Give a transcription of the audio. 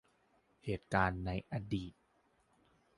เหตุการณ์ในอดีต